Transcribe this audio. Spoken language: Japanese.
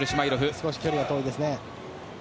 少し距離が遠いですね。